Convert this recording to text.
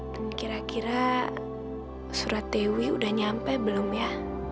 dan kira kira surat dewi udah nyampe belum ya